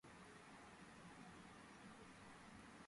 ზოგიერთ ქალაქში რამდენიმე ზოოპარკია.